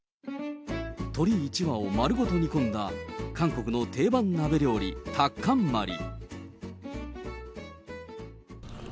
鶏１羽を丸ごと煮込んだ、韓国の定番鍋料理、タッカンマリ。